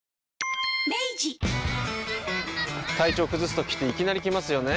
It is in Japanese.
体調崩すときっていきなり来ますよね。